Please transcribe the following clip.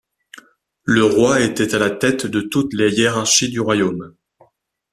Le roi était à la tête de toutes les hiérarchies du royaume.